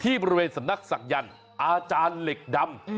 บริเวณสำนักศักยันต์อาจารย์เหล็กดำ